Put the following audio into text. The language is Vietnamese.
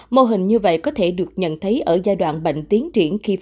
mô hình như vậy có thể được nhận thấy ở giai đoạn bệnh tiến triển